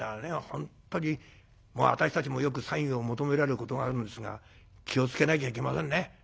本当に私たちもよくサインを求められることがあるんですが気を付けなきゃいけませんね。